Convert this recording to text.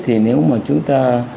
thì nếu mà chúng ta